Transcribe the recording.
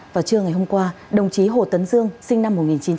vào trưa ngày hôm qua đồng chí hồ tấn dương sinh năm một nghìn chín trăm tám mươi sáu